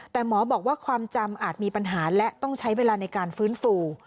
แต่หมอบอกว่าความจำอาจมีปัญหาและต้องใช้เวลาในการฟื้นฟู